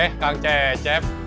eh kang cecep